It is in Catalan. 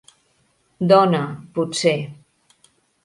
Dona, potser...